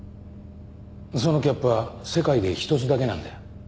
そのキャップは世界で一つだけなんだよ。